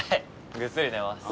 ぐっすり寝ます。